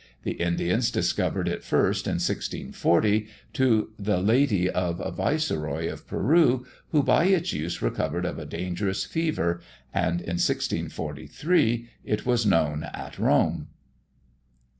The Indians discovered it first, in 1640, to the lady of a Viceroy of Peru, who by its use recovered of a dangerous fever; and in 1643 it was known at Rome.